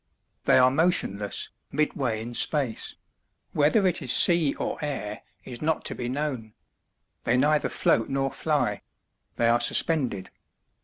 They are motionless, midway in space whether it is sea or air is not to be known. They neither float nor fly; they are suspended.